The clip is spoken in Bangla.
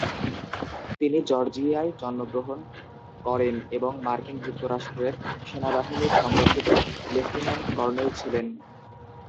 তিনি জর্জিয়ায় জন্মগ্রহণ করেন এবং মার্কিন যুক্তরাষ্ট্রের সেনাবাহিনীর সংরক্ষিত লেফটেন্যান্ট কর্নেল ছিলেন।